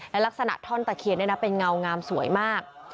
และลักษณะท่อนตะเคียนเป็นเงางามสวยมาก